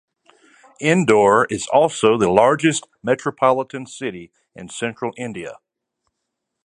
Indore is also the largest metropolitan city in Central India.